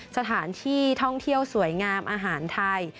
สถานที่ท่องเที่ยวสวยงามอาหารไทย